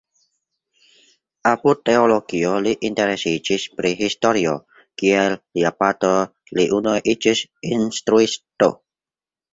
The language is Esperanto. Apud teologio li interesiĝis pri historio; kiel lia patro li unue iĝis instruisto.